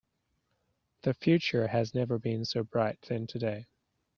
The future has never been so bright than today.